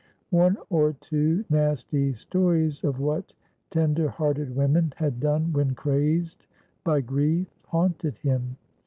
One or two nasty stories of what tender hearted women had done when "crazed" by grief haunted him.